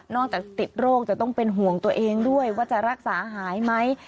จากติดโรคจะต้องเป็นห่วงตัวเองด้วยว่าจะรักษาหายไหม